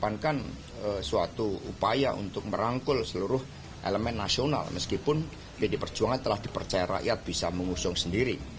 ini akan suatu upaya untuk merangkul seluruh elemen nasional meskipun pd perjuangan telah dipercaya rakyat bisa mengusung sendiri